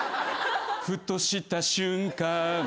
「ふとした瞬間に」